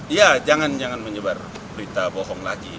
iya jangan jangan menyebar berita bohong lagi